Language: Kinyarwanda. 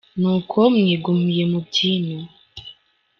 Nuko mwigumiye mu by'ino